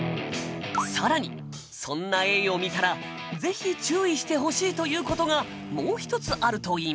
さらにそんなエイを見たらぜひ注意してほしいという事がもう一つあるといいます。